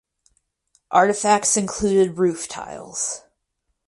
Artifacts included roof tiles.